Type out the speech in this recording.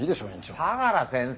相良先生！